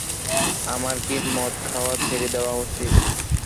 আমার কি মদ খাওয়া ছেড়ে দেওয়া উচিৎ?